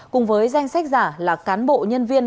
cùng với danh sách giả là cán bộ nhân viên